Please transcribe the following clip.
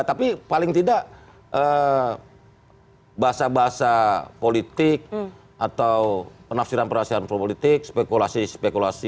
tapi paling tidak bahasa bahasa politik atau penafsiran penafsiran politik spekulasi spekulasi